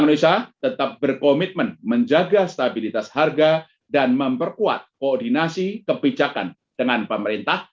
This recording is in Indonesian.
indonesia tetap berkomitmen menjaga stabilitas harga dan memperkuat koordinasi kebijakan dengan pemerintah